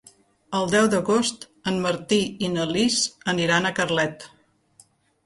El deu d'agost en Martí i na Lis aniran a Carlet.